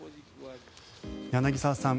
柳澤さん